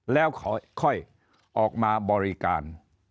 แล้วค่อยออกมาบริการ